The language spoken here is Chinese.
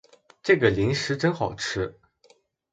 这个零食真好吃